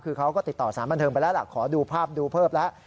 คือเขาก็ติดต่อสารบันเทิงไปแล้วล่ะขอดูภาพดูเพิ่มแล้ว